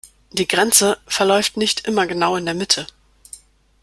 Die Grenze verläuft nicht immer genau in der Mitte.